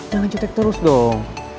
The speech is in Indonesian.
jangan cetek terus dong